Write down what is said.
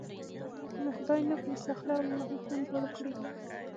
که مې خدای نوک له سخره وواهه؛ خوند به وکړي.